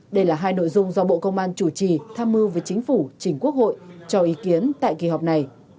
đây là hai nội dung do bộ công an chủ trì tham mưu với chính phủ chỉnh quốc hội cho ý kiến tại kỳ họp này